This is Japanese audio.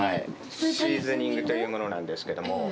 シーズニングというものなんですけども。